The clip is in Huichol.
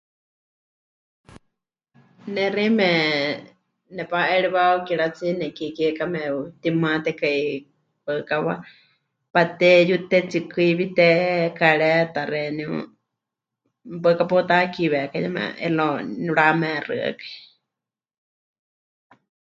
Ne xeíme nepa'eriwa 'ukiratsi nekie kiekame pɨtimaatekai waɨkawa, pateyute, tsikɨiwite, kareta xeeníu, waɨká peutakiwekai yeme y luego nie pɨramexɨakai.